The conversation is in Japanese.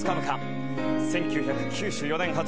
１９９４年発売。